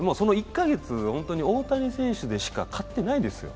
１カ月大谷選手でしか勝ってないですよ。